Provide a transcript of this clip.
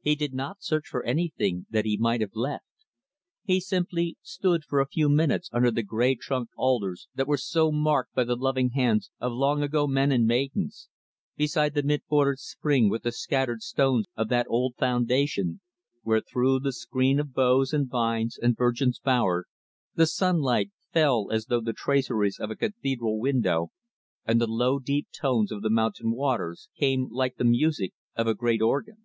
He did not search for anything that he might have left. He simply stood for a few minutes under the gray trunked alders that were so marked by the loving hands of long ago men and maidens beside the mint bordered spring with the scattered stones of that old foundation where, through the screen of boughs and vines and virgin's bower the sunlight fell as through the traceries of a cathedral window, and the low, deep tones of the mountain waters came like the music of a great organ.